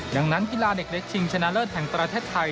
ดังนั้นกีฬาเด็กเล็กชิงชนะเลิศแห่งประเทศไทย